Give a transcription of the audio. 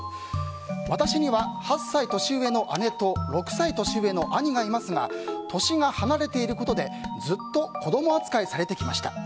私には８歳年上の姉と６歳年上の兄がいますが年が離れていることでずっと子ども扱いされてきました。